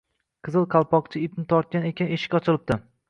Qizil Qalpoqcha ipni tortgan ekan eshik ochilibdi